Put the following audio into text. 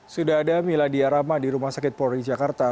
sudah ada miladiyarama di rumah sakit polri jakarta